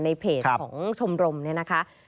ในเพจของชมรมเนี่ยนะคะ